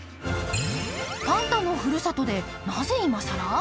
パンダのふるさとでなぜ今更？